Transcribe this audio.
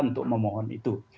untuk memohon itu